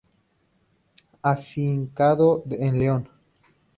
Afincado en León.